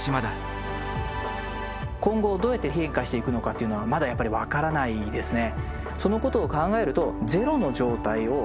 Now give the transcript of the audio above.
今後どうやって変化していくのかっていうのはまだやっぱり分からないですね。